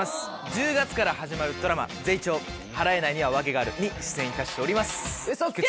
１０月から始まるドラマ『ゼイチョー「払えない」にはワケがある』に出演いたしております。